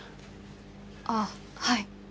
ああはい。